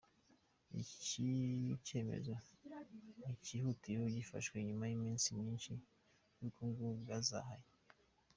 Iki cyemezo ngihutiyeho gifashwe nyuma y'iminsi myinshi y'ubukungu bwazahaye.